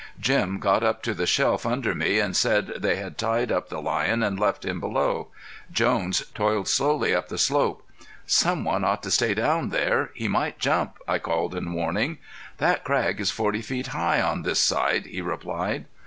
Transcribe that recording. Jim got up to the shelf under me and said they had tied up the lion and left him below. Jones toiled slowly up the slope. "Some one ought to stay down there; he might jump," I called in warning. "That crag is forty feet high on this side," he replied.